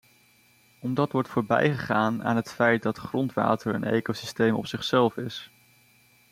Omdat wordt voorbijgegaan aan het feit dat grondwater een ecosysteem op zichzelf is.